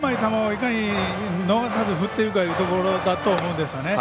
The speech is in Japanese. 甘い球をいかに逃さず振っていくかというところだと思いますね。